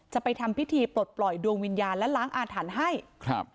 จะไปทำพิธีปลดปล่อยดวงวิญญาณและล้างอาถรรพ์ให้ครับ